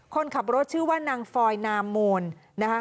คนขับรถชื่อว่านางฟอยนาโมนนะคะ